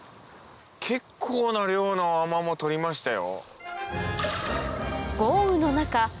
結構な量のアマモ取りましたよ。